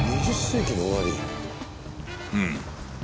うん。